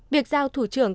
việc giao thủ trưởng